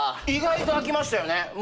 意外と空きましたよね。